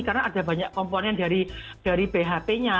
karena ada banyak komponen dari bhp nya